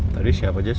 tadi siapa jess